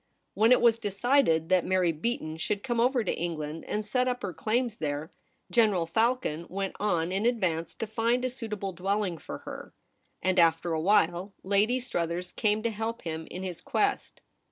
When it was decided that Mary Beaton should come over to England and set up her claims there, General Falcon went on in advance to find a suitable dwelling for her; and, after a while, Lady Struthers came to help him in his quest.